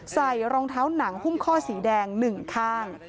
ใส่รองเท้าหนังหุ้มข้อสีแดงหนึ่งข้าง